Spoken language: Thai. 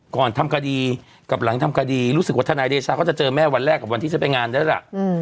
ก่อนทำคดีกับหลังทำคดีรู้สึกว่าทนายเดชาเขาจะเจอแม่วันแรกกับวันที่ฉันไปงานได้ล่ะ